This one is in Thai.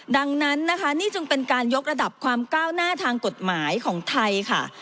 ดังนั้นนะคะนี่จึงเป็นการยกระดับความก้าวหน้าทางกฎหมายของไทยค่ะ